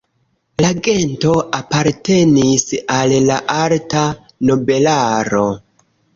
La gento apartenis al la alta nobelaro.